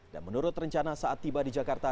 dan menurut rencana saat tiba di jakarta